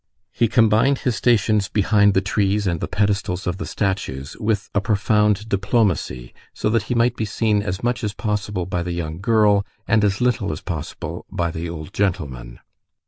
He combined his stations behind the trees and the pedestals of the statues with a profound diplomacy, so that he might be seen as much as possible by the young girl and as little as possible by the old gentleman.